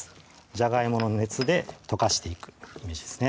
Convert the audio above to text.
じゃがいもの熱で溶かしていくイメージですね